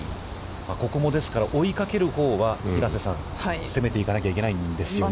ここも、ですから、追いかけるほうは、平瀬さん、攻めていかないといけないんですよね。